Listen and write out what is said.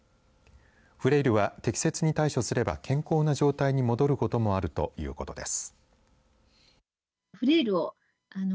フレイルは適切に対処すれば健康な状態に戻ることもあるということです。